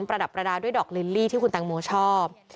ระดับประดาษด้วยดอกลิลลี่ที่คุณแตงโมชอบ